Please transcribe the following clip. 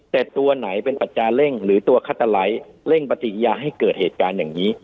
แต่ตัวไหนเป็นปัจจาเร่งหรือตัวคัตเตอร์ไลท์เร่งปฏิญาให้เกิดเหตุการณ์อย่างนี้